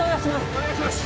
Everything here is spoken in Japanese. お願いします